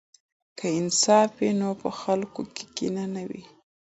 که انصاف وي نو په خلکو کې کینه نه وي.